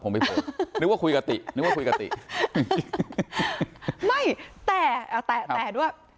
ผมไม่พูดนึกว่าคุยกับตินึกว่าคุยกับติไม่แต่เอาแต่แต่ด้วย